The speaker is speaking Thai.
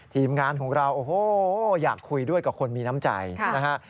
ทีมงานของเราโอ้โหอยากคุยด้วยกับคนมีน้ำใจนะฮะ